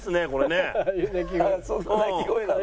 そんな鳴き声なの？